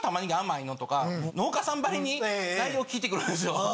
農家さんばりに内容を聞いてくるんですよ。